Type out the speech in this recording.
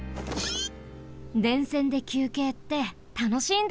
電線できゅうけいってたのしいんだね。